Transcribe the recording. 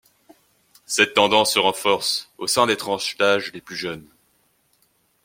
Cette tendance se renforce au sein des tranches d’âges les plus jeunes.